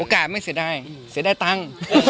โอกาสไม่แสดง